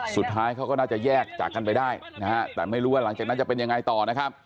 สุดท้ายเขาก็น่าจะแยกจากกันไปได้นะฮะแต่ไม่รู้ว่าหลังจากนั้นจะเป็นยังไงต่อนะครับ